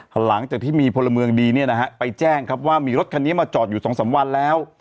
หลังจากที่มีพลเมืองดีไปแจ้งว่ามีรถคันนี้มาจอดอยู่๒๓วันแล้ว